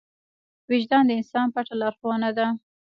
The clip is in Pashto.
وجدان د انسان پټه لارښوونه ده.